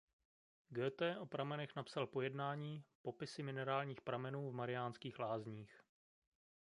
Goethe o pramenech napsal pojednání "Popisy minerálních pramenů v Mariánských Lázních".